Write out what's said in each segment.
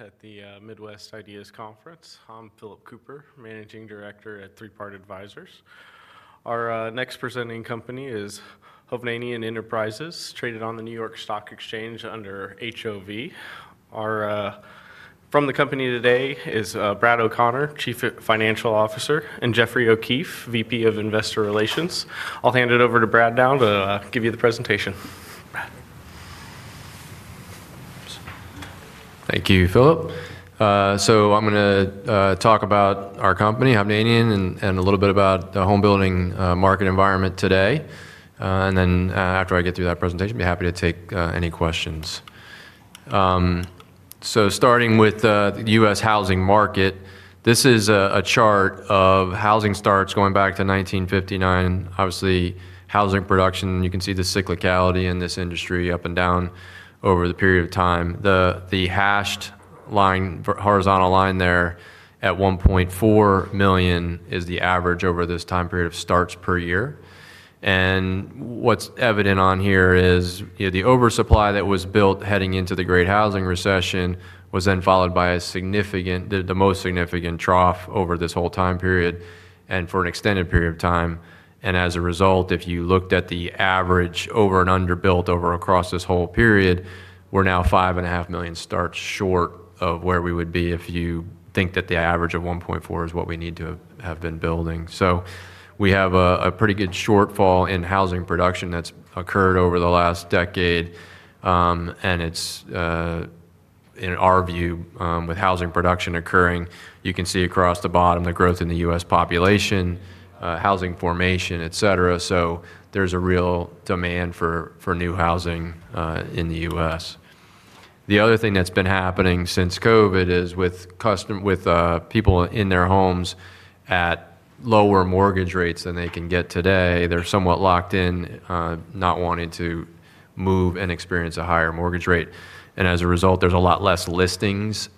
At the Midwest Ideas Conference, I'm Phillip Cooper, Managing Director at Three Part Advisors. Our next presenting company is Hovnanian Enterprises, traded on the New York Stock Exchange under HOV. From the company today is Brad O'Connor, Chief Financial Officer, and Jeffrey O'Keefe, VP of Investor Relations. I'll hand it over to Brad now to give you the presentation. Thank you, Philip. I'm going to talk about our company, Hovnanian, and a little bit about the home-building market environment today. After I get through that presentation, I'd be happy to take any questions. Starting with the U.S. housing market, this is a chart of housing starts going back to 1959. Obviously, housing production, you can see the cyclicality in this industry up and down over the period of time. The hashed horizontal line there at 1.4 million is the average over this time period of starts per year. What's evident on here is the oversupply that was built heading into the Great Housing Recession was then followed by a significant, the most significant trough over this whole time period and for an extended period of time. As a result, if you looked at the average over and under built across this whole period, we're now 5.5 million starts short of where we would be if you think that the average of 1.4 million is what we need to have been building. We have a pretty good shortfall in housing production that's occurred over the last decade. In our view, with housing production occurring, you can see across the bottom the growth in the U.S. population, housing formation, etc. There's a real demand for new housing in the U.S. The other thing that's been happening since COVID is with people in their homes at lower mortgage rates than they can get today, they're somewhat locked in, not wanting to move and experience a higher mortgage rate. As a result, there's a lot less listings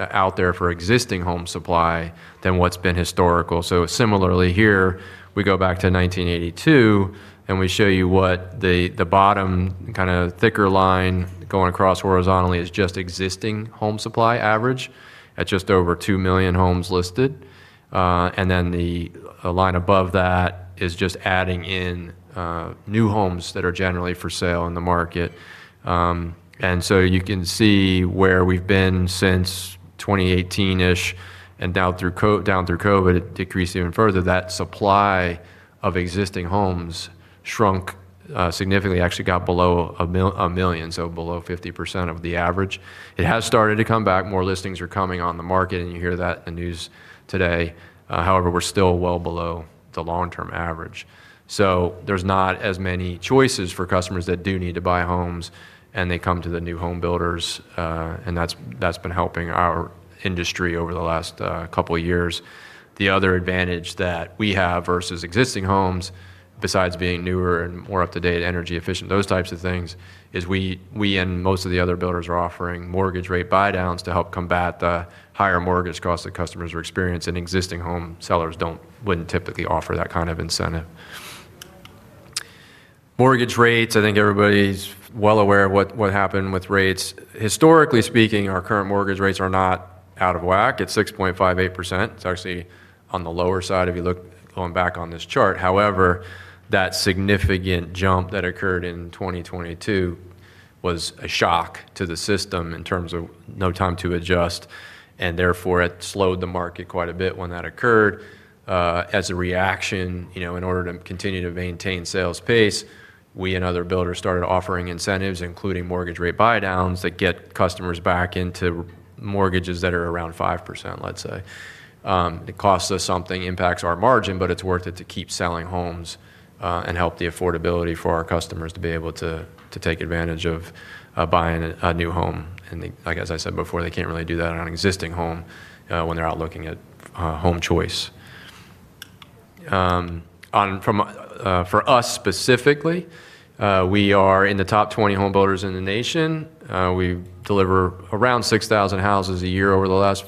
out there for existing home supply than what's been historical. Similarly here, we go back to 1982, and we show you what the bottom kind of thicker line going across horizontally is, just existing home supply average at just over 2 million homes listed. The line above that is just adding in new homes that are generally for sale in the market. You can see where we've been since 2018 and down through COVID, it decreased even further. That supply of existing homes shrunk significantly, actually got below a million, so below 50% of the average. It has started to come back. More listings are coming on the market, and you hear that in the news today. However, we're still well below the long-term average. There's not as many choices for customers that do need to buy homes, and they come to the new home builders, and that's been helping our industry over the last couple of years. The other advantage that we have versus existing homes, besides being newer and more up-to-date, energy efficient, those types of things, is we, and most of the other builders, are offering mortgage rate buydowns to help combat the higher mortgage costs that customers are experiencing. Existing home sellers wouldn't typically offer that kind of incentive. Mortgage rates, I think everybody's well aware of what happened with rates. Historically speaking, our current mortgage rates are not out of whack. It's 6.58%. It's actually on the lower side if you look going back on this chart. However, that significant jump that occurred in 2022 was a shock to the system in terms of no time to adjust, and therefore it slowed the market quite a bit when that occurred. As a reaction, in order to continue to maintain sales pace, we and other builders started offering incentives, including mortgage rate buydowns that get customers back into mortgages that are around 5%, let's say. It costs us something, impacts our margin, but it's worth it to keep selling homes and help the affordability for our customers to be able to take advantage of buying a new home. Like I said before, they can't really do that on an existing home when they're out looking at home choice. For us specifically, we are in the top 20 home builders in the nation. We deliver around 6,000 houses a year over the last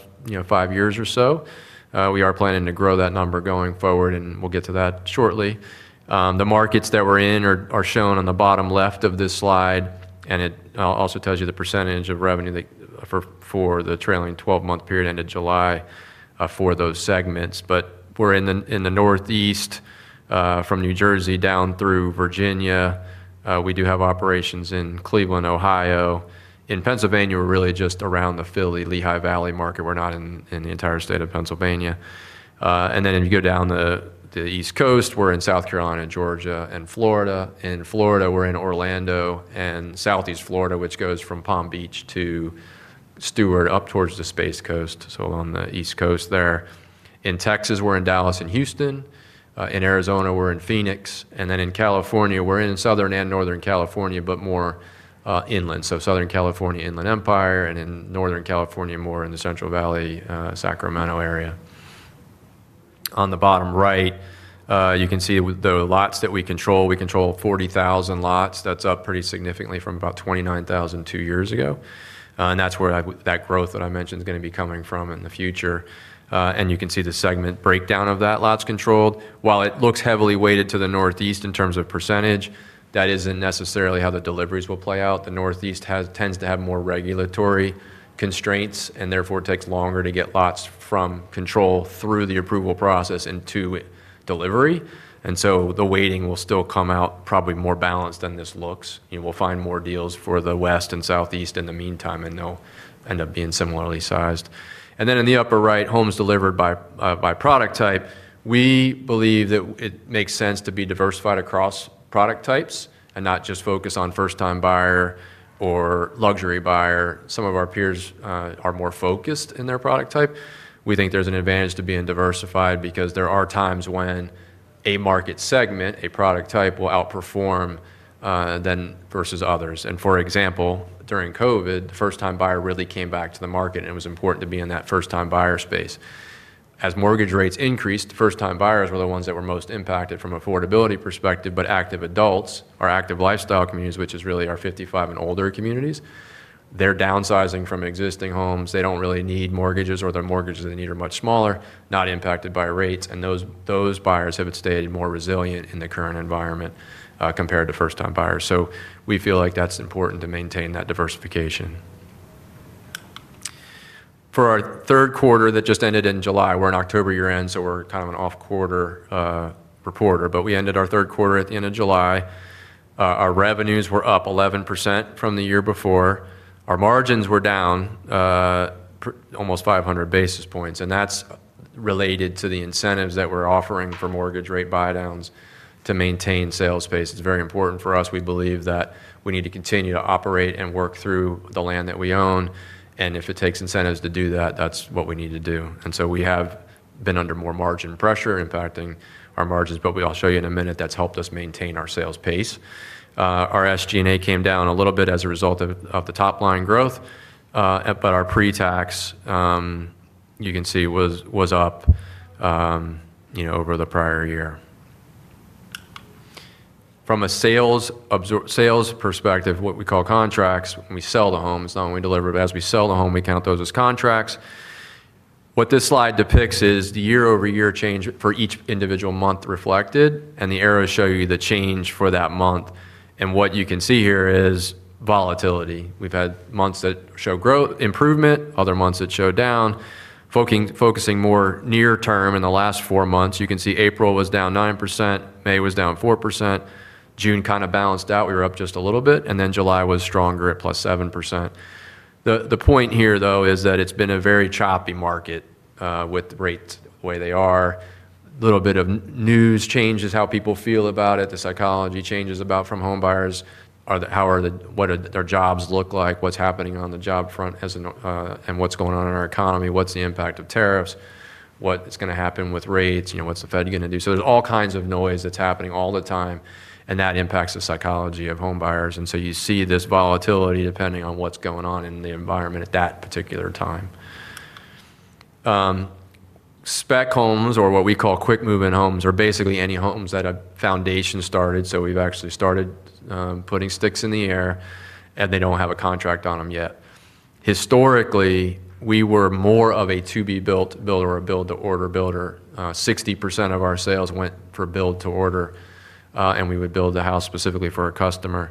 five years or so. We are planning to grow that number going forward, and we'll get to that shortly. The markets that we're in are shown on the bottom left of this slide, and it also tells you the percentage of revenue for the trailing 12-month period, end of July, for those segments. We're in the Northeast, from New Jersey down through Virginia. We do have operations in Cleveland, Ohio. In Pennsylvania, we're really just around the Philly, Lehigh Valley market. We're not in the entire state of Pennsylvania. If you go down the East Coast, we're in South Carolina, Georgia, and Florida. In Florida, we're in Orlando and Southeast Florida, which goes from Palm Beach to Stewart up towards the Space Coast, along the East Coast there. In Texas, we're in Dallas and Houston. In Arizona, we're in Phoenix. In California, we're in Southern and Northern California, but more inland. Southern California, Inland Empire, and in Northern California, more in the Central Valley, Sacramento area. On the bottom right, you can see the lots that we control. We control 40,000 lots. That's up pretty significantly from about 29,000 two years ago. That's where that growth that I mentioned is going to be coming from in the future. You can see the segment breakdown of that lots controlled. While it looks heavily weighted to the Northeast in terms of percentage, that isn't necessarily how the deliveries will play out. The Northeast tends to have more regulatory constraints and therefore takes longer to get lots from control through the approval process into delivery. The weighting will still come out probably more balanced than this looks. You know, we'll find more deals for the West and Southeast in the meantime, and they'll end up being similarly sized. In the upper right, homes delivered by product type, we believe that it makes sense to be diversified across product types and not just focus on first-time buyer or luxury buyer. Some of our peers are more focused in their product type. We think there's an advantage to being diversified because there are times when a market segment, a product type, will outperform versus others. For example, during COVID, the first-time buyer really came back to the market, and it was important to be in that first-time buyer space. As mortgage rates increased, first-time buyers were the ones that were most impacted from an affordability perspective, but active adults or active lifestyle communities, which is really our 55 and older communities, they're downsizing from existing homes. They don't really need mortgages or the mortgages they need are much smaller, not impacted by rates. Those buyers have stayed more resilient in the current environment compared to first-time buyers. We feel like that's important to maintain that diversification. For our third quarter that just ended in July, we're in October year-end, so we're kind of an off-quarter reporter, but we ended our third quarter at the end of July. Our revenues were up 11% from the year before. Our margins were down almost 500 basis points, and that's related to the incentives that we're offering for mortgage rate buydowns to maintain sales pace. It's very important for us. We believe that we need to continue to operate and work through the land that we own. If it takes incentives to do that, that's what we need to do. We have been under more margin pressure impacting our margins, but we'll show you in a minute that's helped us maintain our sales pace. Our SG&A came down a little bit as a result of the top-line growth, but our pre-tax, you can see, was up, you know, over the prior year. From a sales perspective, what we call contracts, we sell the homes as long as we deliver it. As we sell the home, we count those as contracts. What this slide depicts is the year-over-year change for each individual month reflected, and the arrows show you the change for that month. What you can see here is volatility. We've had months that show growth improvement, other months that show down. Focusing more near-term in the last four months, you can see April was down 9%, May was down 4%, June kind of balanced out. We were up just a little bit, and then July was stronger at plus 7%. The point here, though, is that it's been a very choppy market with rates the way they are. A little bit of news changes how people feel about it. The psychology changes about from home buyers. What do their jobs look like? What's happening on the job front and what's going on in our economy? What's the impact of tariffs? What's going to happen with rates? You know, what's the Fed going to do? There is all kinds of noise that's happening all the time, and that impacts the psychology of home buyers. You see this volatility depending on what's going on in the environment at that particular time. Spec homes, or what we call quick move-in homes, are basically any homes that a foundation started. We've actually started putting sticks in the air, and they don't have a contract on them yet. Historically, we were more of a to-be-built builder or a build-to-order builder. 60% of our sales went for build-to-order, and we would build a house specifically for a customer.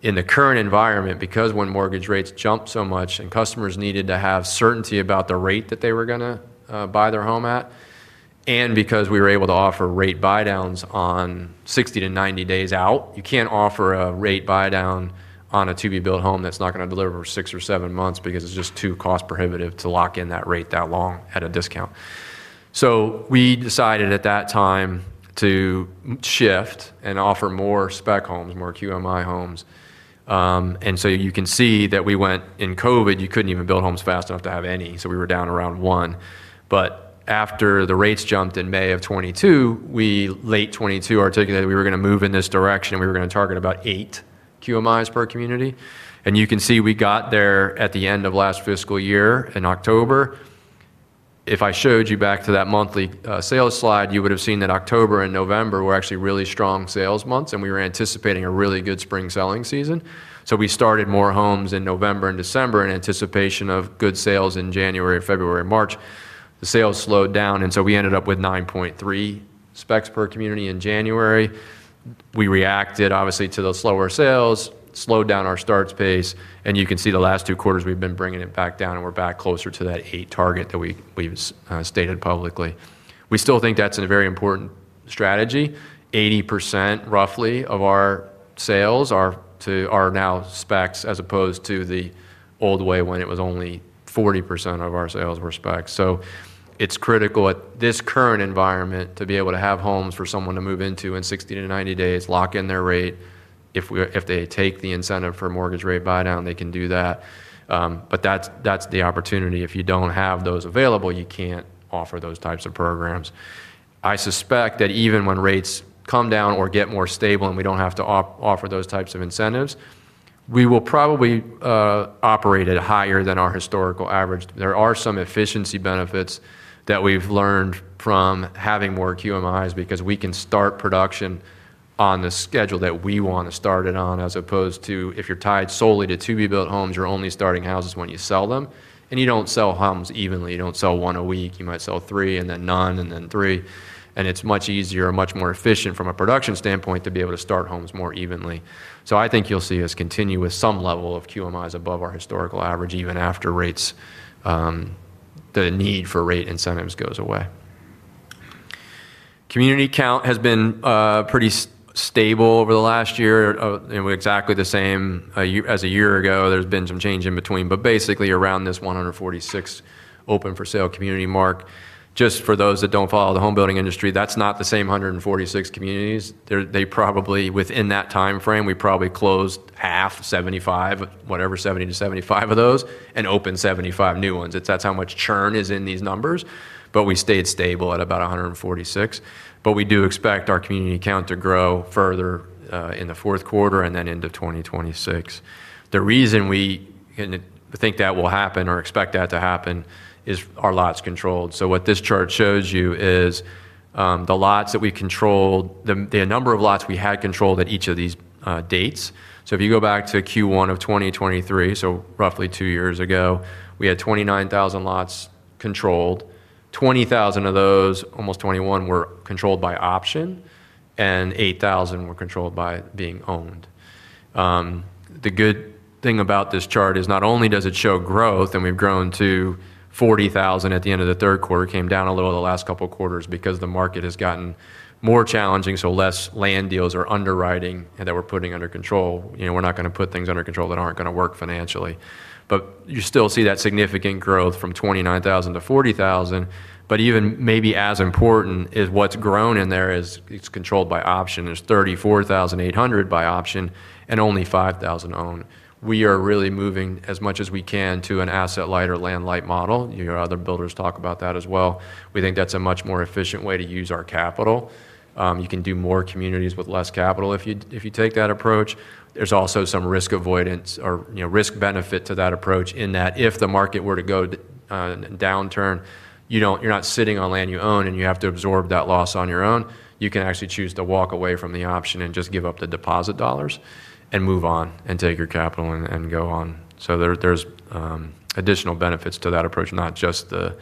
In the current environment, because when mortgage rates jumped so much and customers needed to have certainty about the rate that they were going to buy their home at, and because we were able to offer rate buydowns on 60-90 days out, you can't offer a rate buydown on a to-be-built home that's not going to deliver for six or seven months because it's just too cost-prohibitive to lock in that rate that long at a discount. We decided at that time to shift and offer more spec homes, more QMI homes. You can see that we went in COVID, you couldn't even build homes fast enough to have any, so we were down around one. After the rates jumped in May of 2022, we, late 2022, articulated we were going to move in this direction. We were going to target about eight QMIs per community. You can see we got there at the end of last fiscal year in October. If I showed you back to that monthly sales slide, you would have seen that October and November were actually really strong sales months, and we were anticipating a really good spring selling season. We started more homes in November and December in anticipation of good sales in January, February, and March. The sales slowed down, and we ended up with 9.3 specs per community in January. We reacted, obviously, to those slower sales, slowed down our starts pace, and you can see the last two quarters we've been bringing it back down, and we're back closer to that eight target that we stated publicly. We still think that's a very important strategy. 80% roughly of our sales are now specs as opposed to the old way when it was only 40% of our sales were specs. It's critical in this current environment to be able to have homes for someone to move into in 60-90 days, lock in their rate. If they take the incentive for a mortgage rate buydown, they can do that. That's the opportunity. If you don't have those available, you can't offer those types of programs. I suspect that even when rates come down or get more stable and we don't have to offer those types of incentives, we will probably operate at higher than our historical average. There are some efficiency benefits that we've learned from having more QMIs because we can start production on the schedule that we want to start it on, as opposed to if you're tied solely to to-be-built homes, you're only starting houses when you sell them, and you don't sell homes evenly. You don't sell one a week. You might sell three and then none and then three. It's much easier, much more efficient from a production standpoint to be able to start homes more evenly. I think you'll see us continue with some level of QMIs above our historical average, even after the need for rate incentives goes away. Community count has been pretty stable over the last year, exactly the same as a year ago. There's been some change in between, but basically around this 146 open for sale community mark. Just for those that don't follow the home building industry, that's not the same 146 communities. Within that time frame, we probably closed half, 75, whatever, 70-75 of those, and opened 75 new ones. That's how much churn is in these numbers, but we stayed stable at about 146. We do expect our community count to grow further in the fourth quarter and then into 2026. The reason we think that will happen or expect that to happen is our lots controlled. What this chart shows you is the lots that we controlled, the number of lots we had controlled at each of these dates. If you go back to Q1 of 2023, so roughly two years ago, we had 29,000 lots controlled. 20,000 of those, almost 21,000, were controlled by option, and 8,000 were controlled by being owned. The good thing about this chart is not only does it show growth, and we've grown to 40,000 at the end of the third quarter, it came down a little in the last couple of quarters because the market has gotten more challenging, so less land deals or underwriting that we're putting under control. We're not going to put things under control that aren't going to work financially. You still see that significant growth from 29,000 to 40,000. Even maybe as important is what's grown in there is it's controlled by option. There's 34,800 by option and only 5,000 owned. We are really moving as much as we can to an asset-light or land-light model. Other builders talk about that as well. We think that's a much more efficient way to use our capital. You can do more communities with less capital if you take that approach. There's also some risk avoidance or risk benefit to that approach in that if the market were to go downturn, you're not sitting on land you own and you have to absorb that loss on your own. You can actually choose to walk away from the option and just give up the deposit dollars and move on and take your capital and go on. There are additional benefits to that approach, not just the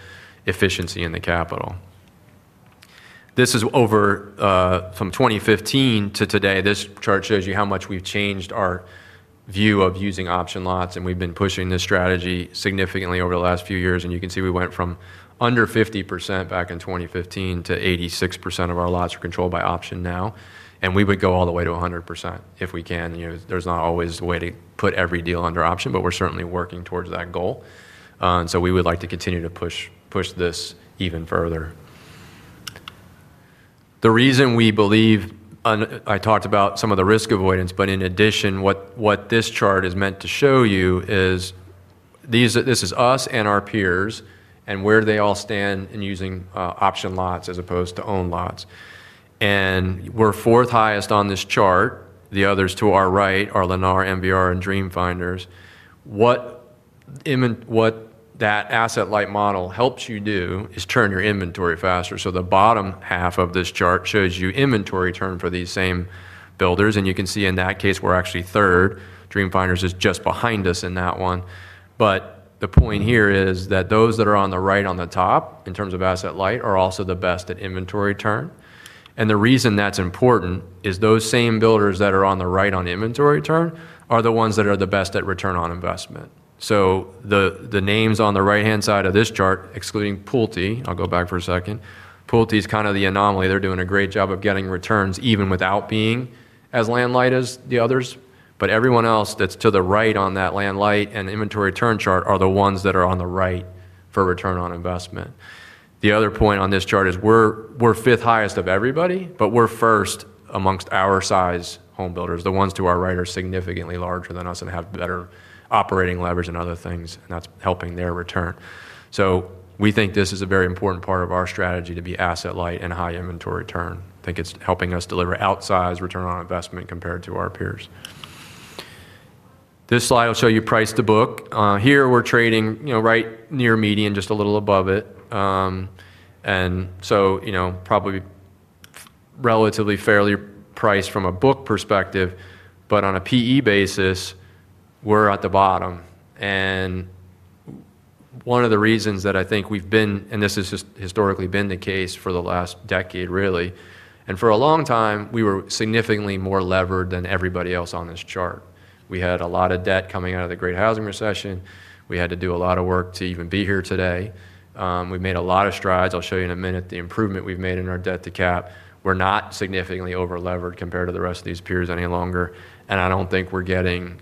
efficiency in the capital. This is over from 2015 to today. This chart shows you how much we've changed our view of using option lots, and we've been pushing this strategy significantly over the last few years. You can see we went from under 50% back in 2015 to 86% of our lots are controlled by option now. We would go all the way to 100% if we can. There's not always a way to put every deal under option, but we're certainly working towards that goal. We would like to continue to push this even further. The reason we believe, I talked about some of the risk avoidance, but in addition, what this chart is meant to show you is this is us and our peers and where they all stand in using option lots as opposed to owned lots. We're fourth highest on this chart. The others to our right are Lennar, MBR, and DreamFinders. What that asset-light model helps you do is turn your inventory faster. The bottom half of this chart shows you inventory turn for these same builders. You can see in that case, we're actually third. DreamFinders is just behind us in that one. The point here is that those that are on the right on the top in terms of asset-light are also the best at inventory turn. The reason that's important is those same builders that are on the right on the inventory turn are the ones that are the best at return on investment. The names on the right-hand side of this chart, excluding Pulte, I'll go back for a second, Pulte is kind of the anomaly. They're doing a great job of getting returns even without being as land-light as the others. Everyone else that's to the right on that land-light and inventory turn chart are the ones that are on the right for return on investment. The other point on this chart is we're fifth highest of everybody, but we're first amongst our size home builders. The ones to our right are significantly larger than us and have better operating leverage and other things, and that's helping their return. We think this is a very important part of our strategy to be asset-light and high inventory turn. I think it's helping us deliver outsized return on investment compared to our peers. This slide will show you price to book. Here we're trading right near median, just a little above it. Probably relatively fairly priced from a book perspective, but on a PE basis, we're at the bottom. One of the reasons that I think we've been, and this has just historically been the case for the last decade really, and for a long time, we were significantly more levered than everybody else on this chart. We had a lot of debt coming out of the Great Housing Recession. We had to do a lot of work to even be here today. We've made a lot of strides. I'll show you in a minute the improvement we've made in our debt to cap. We're not significantly over-levered compared to the rest of these peers any longer. I don't think we're getting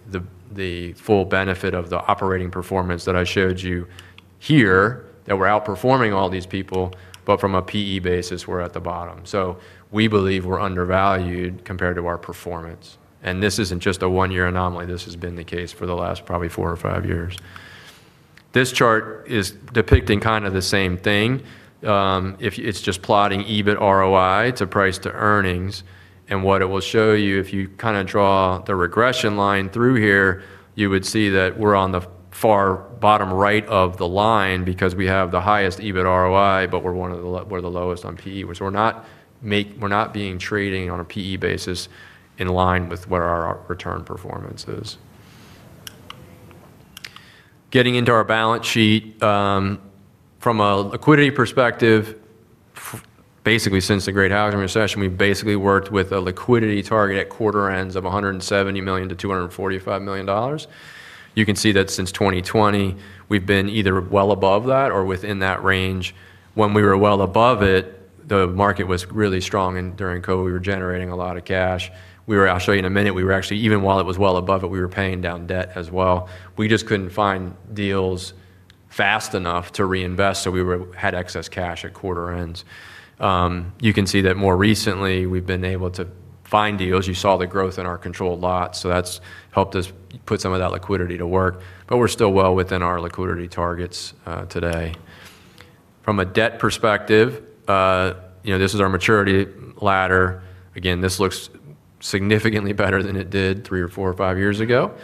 the full benefit of the operating performance that I showed you here that we're outperforming all these people, but from a PE basis, we're at the bottom. We believe we're undervalued compared to our performance. This isn't just a one-year anomaly. This has been the case for the last probably four or five years. This chart is depicting kind of the same thing. It's just plotting EBIT ROI to price-to-earnings. What it will show you, if you kind of draw the regression line through here, you would see that we're on the far bottom right of the line because we have the highest EBIT ROI, but we're one of the lowest on PE. We're not being trading on a PE basis in line with where our return performance is. Getting into our balance sheet, from a liquidity perspective, basically since the Great Housing Recession, we've basically worked with a liquidity target at quarter ends of $170 million-$245 million. You can see that since 2020, we've been either well above that or within that range. When we were well above it, the market was really strong. During COVID, we were generating a lot of cash. I'll show you in a minute. We were actually, even while it was well above it, paying down debt as well. We just couldn't find deals fast enough to reinvest, so we had excess cash at quarter ends. You can see that more recently, we've been able to find deals. You saw the growth in our controlled lots, so that's helped us put some of that liquidity to work, but we're still well within our liquidity targets today. From a debt perspective, this is our maturity ladder. This looks significantly better than it did three or four or five years ago,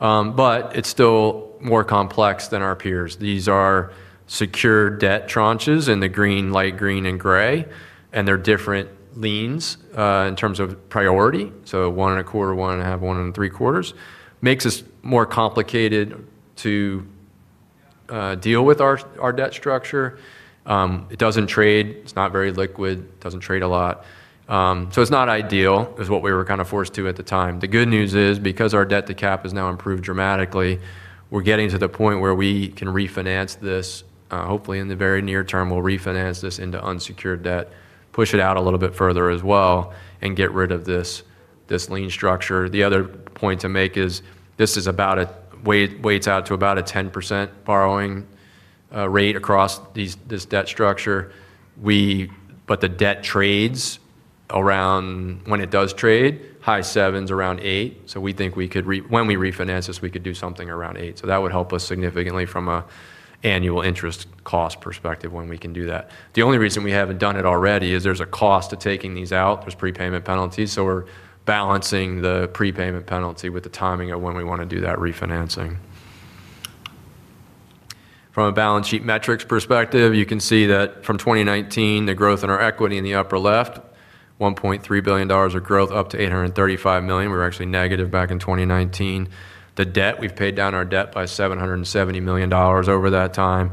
but it's still more complex than our peers. These are secured debt tranches in the green, light green, and gray, and they're different liens in terms of priority. One and a quarter, one and a half, one and three quarters makes us more complicated to deal with our debt structure. It doesn't trade. It's not very liquid. It doesn't trade a lot. It's not ideal; it's what we were kind of forced to at the time. The good news is because our debt to capital has now improved dramatically, we're getting to the point where we can refinance this. Hopefully, in the very near term, we'll refinance this into unsecured debt, push it out a little bit further as well, and get rid of this lien structure. The other point to make is this is about a way it weights out to about a 10% borrowing rate across this debt structure. The debt trades around, when it does trade, high sevens, around 8%. We think we could, when we refinance this, do something around 8%. That would help us significantly from an annual interest cost perspective when we can do that. The only reason we haven't done it already is there's a cost to taking these out. There are prepayment penalties. We're balancing the prepayment penalty with the timing of when we want to do that refinancing. From a balance sheet metrics perspective, you can see that from 2019, the growth in our equity in the upper left, $1.3 billion of growth up to $835 million. We were actually negative back in 2019. The debt, we've paid down our debt by $770 million over that time.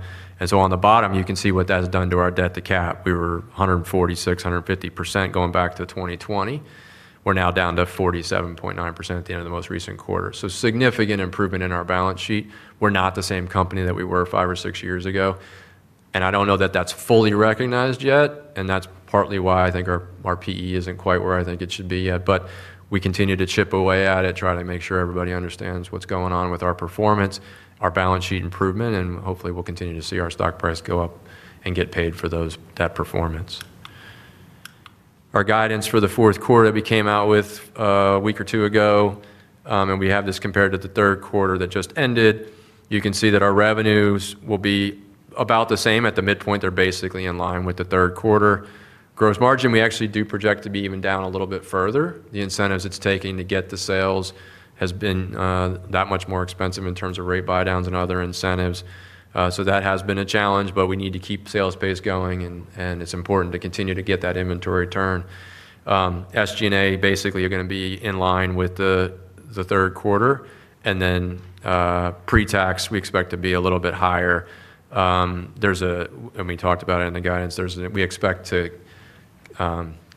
On the bottom, you can see what that's done to our debt to capital. We were 146%, 150% going back to 2020. We're now down to 47.9% at the end of the most recent quarter. Significant improvement in our balance sheet. We're not the same company that we were five or six years ago. I don't know that that's fully recognized yet. That's partly why I think our P/E isn't quite where I think it should be yet. We continue to chip away at it, try to make sure everybody understands what's going on with our performance, our balance sheet improvement, and hopefully we'll continue to see our stock price go up and get paid for that performance. Our guidance for the fourth quarter that we came out with a week or two ago, and we have this compared to the third quarter that just ended. You can see that our revenues will be about the same at the midpoint. They're basically in line with the third quarter. Gross margin, we actually do project to be even down a little bit further. The incentives it's taking to get the sales have been that much more expensive in terms of rate buydowns and other incentives. That has been a challenge, but we need to keep sales pace going, and it's important to continue to get that inventory turn. SG&A basically are going to be in line with the third quarter. Pre-tax, we expect to be a little bit higher. We talked about it in the guidance, we expect to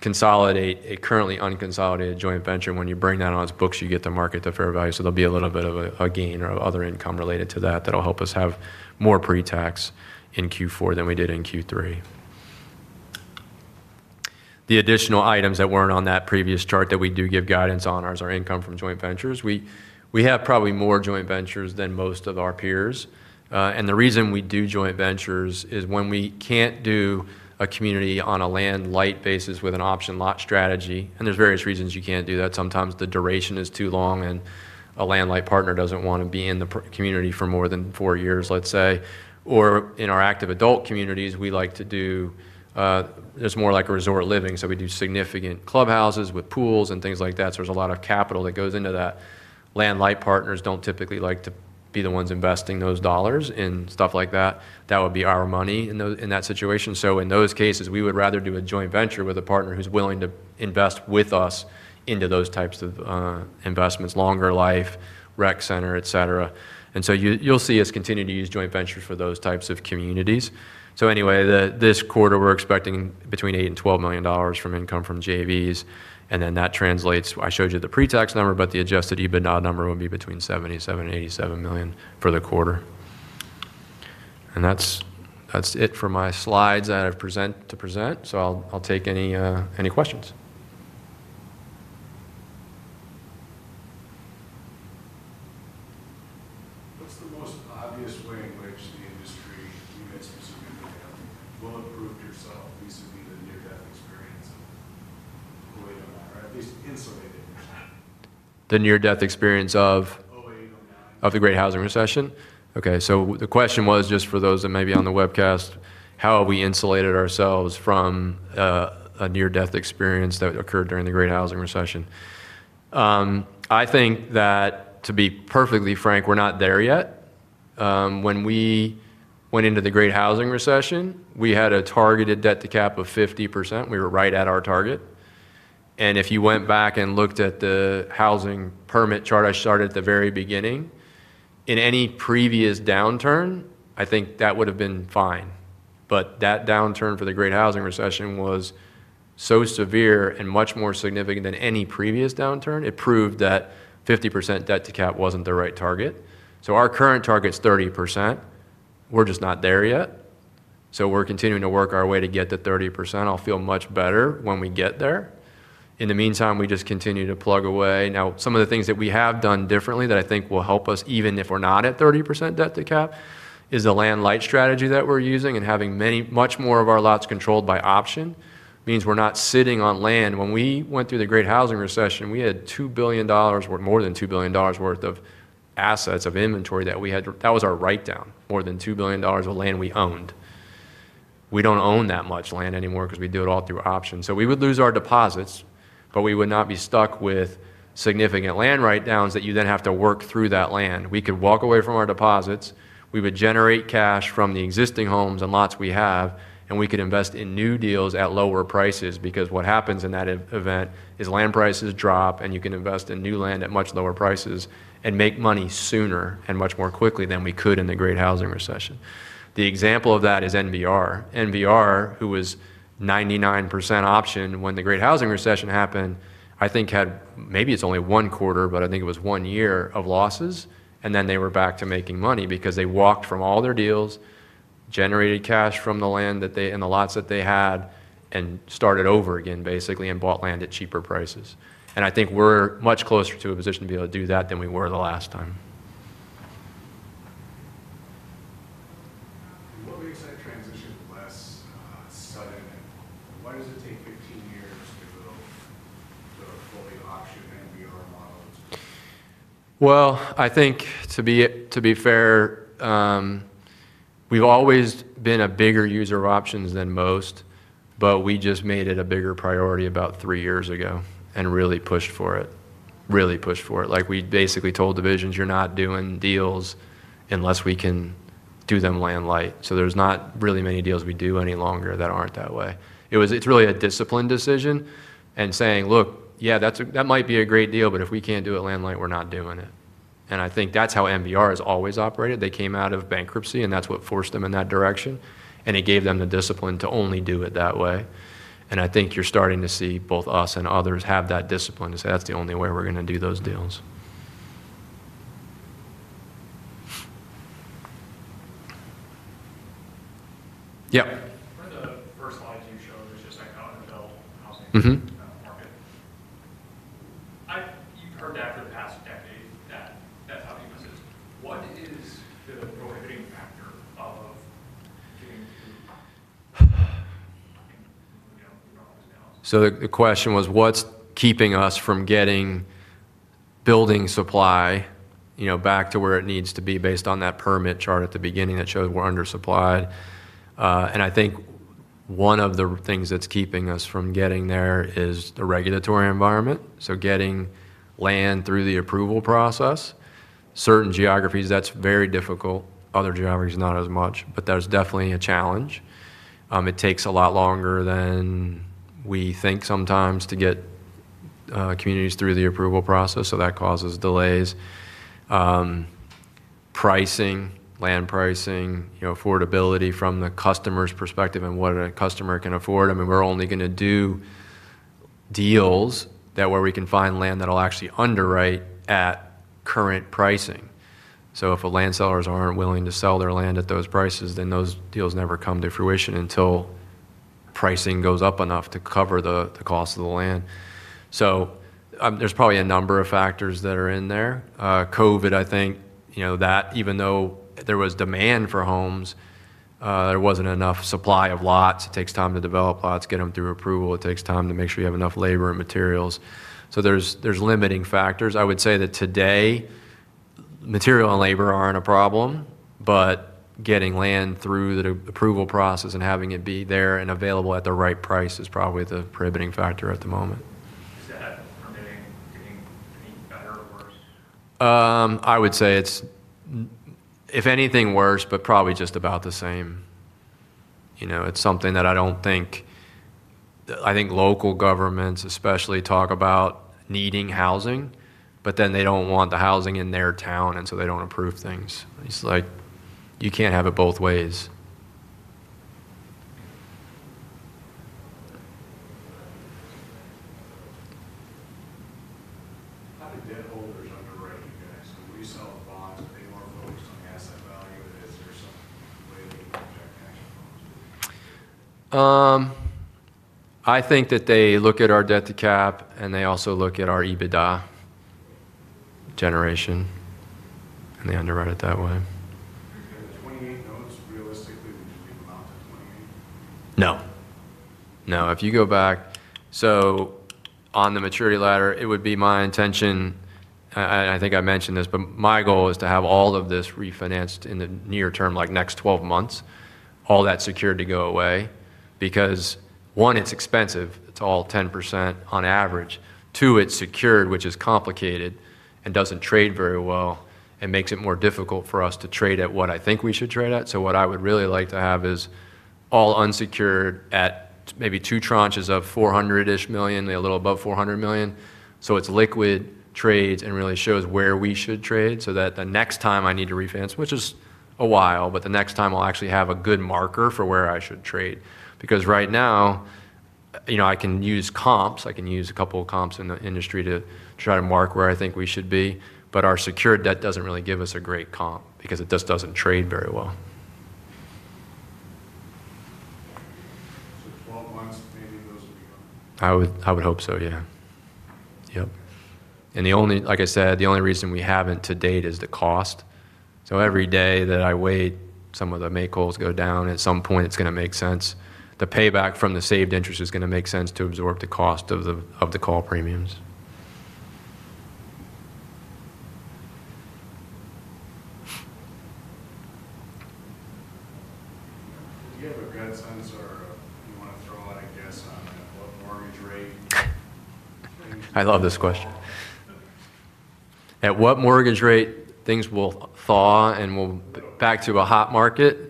consolidate a currently unconsolidated joint venture. When you bring that on its books, you get the market to fair value. There will be a little bit of a gain or other income related to that that'll help us have more pre-tax in Q4 than we did in Q3. The additional items that weren't on that previous chart that we do give guidance on are our income from joint ventures. We have probably more joint ventures than most of our peers. The reason we do joint ventures is when we can't do a community on a land-light basis with an option lot strategy. There are various reasons you can't do that. Sometimes the duration is too long and a land-light partner doesn't want to be in the community for more than four years, let's say. In our active adult communities, we like to do, it's more like a resort living. We do significant clubhouses with pools and things like that. There's a lot of capital that goes into that. Land-light partners don't typically like to be the ones investing those dollars in stuff like that. That would be our money in that situation. In those cases, we would rather do a joint venture with a partner who's willing to invest with us into those types of investments, longer life, rec center, etc. You'll see us continue to use joint ventures for those types of communities. This quarter we're expecting between $8 million and $12 million from income from JVs. That translates, I showed you the pre-tax number, but the adjusted EBITDA number would be between $77 million and $87 million for the quarter. That's it for my slides that I present to present. I'll take any questions. What's the most obvious way in which the industry can get some subpoena? Prove yourself, the subpoena near-death experience of a waiting hour, at least insulated. The near-death experience of the Great Housing Recession? Okay, so the question was just for those that may be on the webcast, how have we insulated ourselves from a near-death experience that occurred during the Great Housing Recession? I think that, to be perfectly frank, we're not there yet. When we went into the Great Housing Recession, we had a targeted debt to capital of 50%. We were right at our target. If you went back and looked at the housing permit chart I started at the very beginning, in any previous downturn, I think that would have been fine. That downturn for the Great Housing Recession was so severe and much more significant than any previous downturn. It proved that 50% debt to capital wasn't the right target. Our current target's 30%. We're just not there yet. We're continuing to work our way to get to 30%. I'll feel much better when we get there. In the meantime, we just continue to plug away. Some of the things that we have done differently that I think will help us, even if we're not at 30% debt to capital, is the asset-light, land-light strategy that we're using and having much more of our lots controlled by options means we're not sitting on land. When we went through the Great Housing Recession, we had $2 billion, more than $2 billion worth of assets of inventory that we had. That was our write-down, more than $2 billion of land we owned. We don't own that much land anymore because we do it all through options. We would lose our deposits, but we would not be stuck with significant land write-downs that you then have to work through that land. We could walk away from our deposits. We would generate cash from the existing homes and lots we have, and we could invest in new deals at lower prices because what happens in that event is land prices drop and you can invest in new land at much lower prices and make money sooner and much more quickly than we could in the Great Housing Recession. The example of that is NVR. NVR, who was 99% option when the Great Housing Recession happened, I think had maybe it's only one quarter, but I think it was one year of losses, and then they were back to making money because they walked from all their deals, generated cash from the land that they and the lots that they had, and started over again, basically, and bought land at cheaper prices. I think we're much closer to a position to be able to do that than we were the last time. What was your site transition? Why does it take 15? I think to be fair, we've always been a bigger user of options than most, but we just made it a bigger priority about three years ago and really pushed for it, really pushed for it. Like we basically told divisions, you're not doing deals unless we can do them land-light. There's not really many deals we do any longer that aren't that way. It's really a disciplined decision and saying, look, yeah, that might be a great deal, but if we can't do it land-light, we're not doing it. I think that's how Hovnanian has always operated. They came out of bankruptcy, and that's what forced them in that direction. It gave them the discipline to only do it that way. I think you're starting to see both us and others have that discipline to say that's the only way we're going to do those deals. Yeah. I have a personal. You've heard that for the past decade. That's how the industry is. What is the prohibiting factor? The question was what's keeping us from getting building supply back to where it needs to be based on that permit chart at the beginning that shows we're undersupplied. I think one of the things that's keeping us from getting there is the regulatory environment. Getting land through the approval process in certain geographies is very difficult. Other geographies, not as much, but there's definitely a challenge. It takes a lot longer than we think sometimes to get communities through the approval process, which causes delays. Land pricing, affordability from the customer's perspective, and what a customer can afford are also factors. We're only going to do deals where we can find land that'll actually underwrite at current pricing. If a land seller isn't willing to sell their land at those prices, then those deals never come to fruition until pricing goes up enough to cover the cost of the land. There are probably a number of factors that are in there. COVID, even though there was demand for homes, there wasn't enough supply of lots. It takes time to develop lots and get them through approval. It takes time to make sure you have enough labor and materials, so there are limiting factors. I would say that today, material and labor aren't a problem, but getting land through the approval process and having it be there and available at the right price is probably the prohibiting factor at the moment. I would say it's, if anything, worse, but probably just about the same. Local governments especially talk about needing housing, but then they don't want the housing in their town, and so they don't approve things. It's like you can't have it both ways. How does the homeowners underwrite? We sell lots and they are. I think that they look at our debt to capital and they also look at our EBITDA generation, and they underwrite it that way. The $28, those realistically would you be allowed to $28? No, if you go back, on the maturity ladder, it would be my intention, and I think I mentioned this, but my goal is to have all of this refinanced in the near term, like next 12 months, all that secured to go away because one, it's expensive. It's all 10% on average. Two, it's secured, which is complicated and doesn't trade very well and makes it more difficult for us to trade at what I think we should trade at. What I would really like to have is all unsecured at maybe two tranches of $400 million-ish, a little above $400 million. It's liquid trades and really shows where we should trade so that the next time I need to refinance, which is a while, the next time I'll actually have a good marker for where I should trade because right now, I can use comps, I can use a couple of comps in the industry to try to mark where I think we should be, but our secured debt doesn't really give us a great comp because it just doesn't trade very well. I would hope so, yeah. Yep. The only, like I said, the only reason we haven't to date is the cost. Every day that I wait, some of the make-ups go down. At some point, it's going to make sense. The payback from the saved interest is going to make sense to absorb the cost of the call premiums. Do you have grandsons or your wife? I love this question. At what mortgage rate things will thaw and we'll be back to a hot market?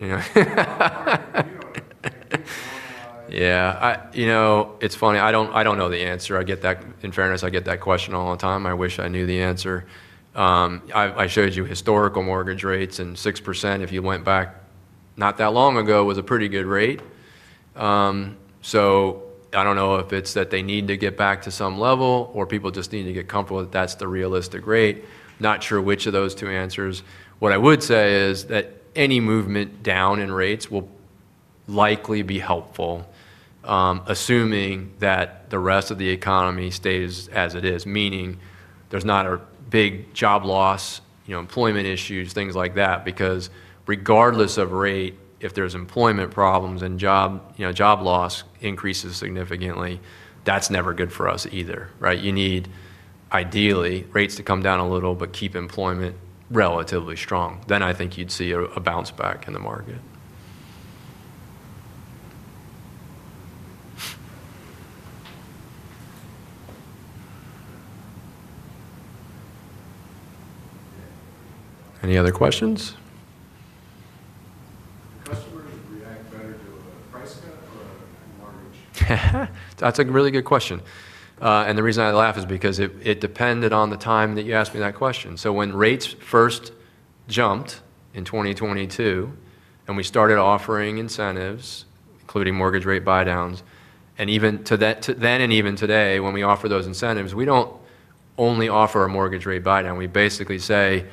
Yeah, you know, it's funny. I don't know the answer. I get that, in fairness, I get that question all the time. I wish I knew the answer. I showed you historical mortgage rates and 6%, if you went back not that long ago, was a pretty good rate. I don't know if it's that they need to get back to some level or people just need to get comfortable that that's the realistic rate. Not sure which of those two answers. What I would say is that any movement down in rates will likely be helpful, assuming that the rest of the economy stays as it is, meaning there's not a big job loss, employment issues, things like that, because regardless of rate, if there's employment problems and job loss increases significantly, that's never good for us either, right? You need ideally rates to come down a little, but keep employment relatively strong. I think you'd see a bounce back in the market. Any other questions? That's a really good question. The reason I laugh is because it depended on the time that you asked me that question. When rates first jumped in 2022 and we started offering incentives, including mortgage rate buydowns, and even to that, then and even today, when we offer those incentives, we don't only offer a mortgage rate buydown. We basically say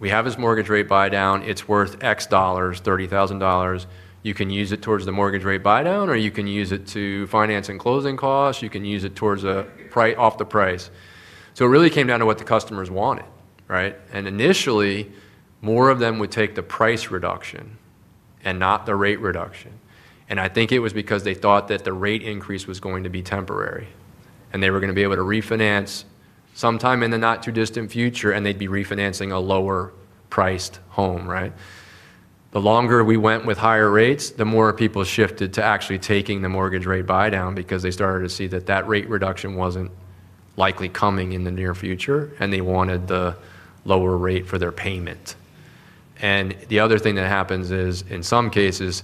we have this mortgage rate buydown, it's worth X dollars, $30,000. You can use it towards the mortgage rate buydown or you can use it to finance and closing costs. You can use it towards a price off the price. It really came down to what the customers wanted, right? Initially, more of them would take the price reduction and not the rate reduction. I think it was because they thought that the rate increase was going to be temporary and they were going to be able to refinance sometime in the not-too-distant future and they'd be refinancing a lower-priced home, right? The longer we went with higher rates, the more people shifted to actually taking the mortgage rate buydown because they started to see that that rate reduction wasn't likely coming in the near future and they wanted the lower rate for their payment. The other thing that happens is in some cases,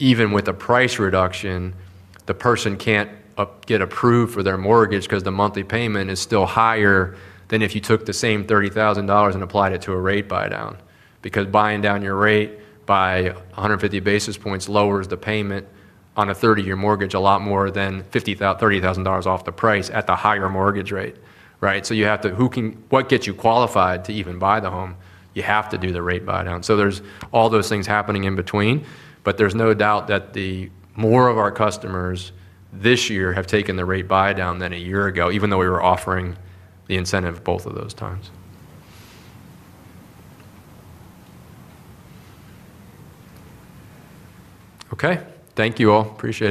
even with a price reduction, the person can't get approved for their mortgage because the monthly payment is still higher than if you took the same $30,000 and applied it to a rate buydown. Buying down your rate by 150 basis points lowers the payment on a 30-year mortgage a lot more than $30,000 off the price at the higher mortgage rate, right? You have to, what gets you qualified to even buy the home, you have to do the rate buydown. There are all those things happening in between, but there's no doubt that more of our customers this year have taken the rate buydown than a year ago, even though we were offering the incentive both of those times. Okay, thank you all. Appreciate it.